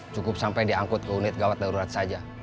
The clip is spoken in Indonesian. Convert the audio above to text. cukup sampai diangkut ke unit gawat darurat saja